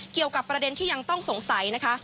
เกี่ยวกับประเด็นที่ยังต้องสงสัยนะคะ